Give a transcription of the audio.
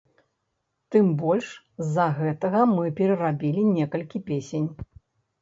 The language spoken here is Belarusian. Тым больш, з-за гэтага мы перарабілі некалькі песень.